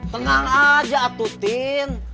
tenang aja atu tin